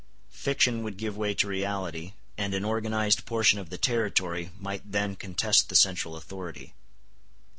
Fiction would give way to reality, and an organized portion of the territory might then contest the central authority.